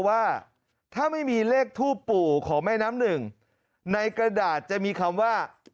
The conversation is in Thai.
ว่าถ้าไม่มีเลขทูปปู่ของแม่น้ำหนึ่งในกระดาษจะมีคำว่า